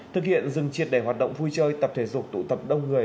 thực hiện dừng triệt để hoạt động vui chơi tập thể dục tụ tập đông người